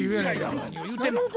何を言うてんの。